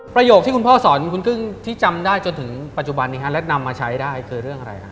ประโยคที่คุณพ่อสอนคุณกึ้งที่จำได้จนถึงปัจจุบันนี้และนำมาใช้ได้คือเรื่องอะไรฮะ